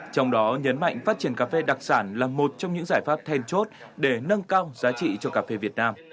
trong đó nhấn mạnh phát triển cà phê đặc sản là một trong những giải pháp then chốt để nâng cao giá trị cho cà phê việt nam